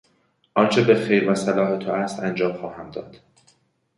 آنچه به خیر و صلاح تو است انجام خواهم داد.